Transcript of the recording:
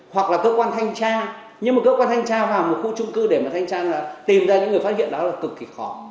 hoặc là cơ quan thanh tra nhưng mà cơ quan thanh tra vào một khu trung cư để mà thanh tra tìm ra những người phát hiện đó là cực kỳ khó